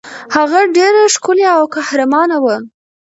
هغه ډېره ښکلې او قهرمانه وه.